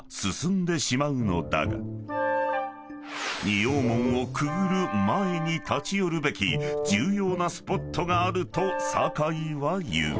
［仁王門をくぐる前に立ち寄るべき重要なスポットがあると坂井は言う］